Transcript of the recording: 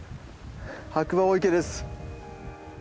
白馬大池です。